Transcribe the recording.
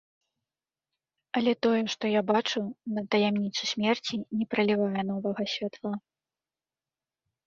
Але тое, што я бачыў, на таямніцу смерці не пралівае новага святла.